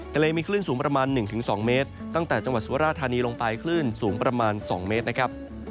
ทะเลมีคลื่นสูงประมาณ๑๒เมตรตั้งแต่จังหวัดสุราธานีลงไปคลื่นสูงประมาณ๒เมตรนะครับ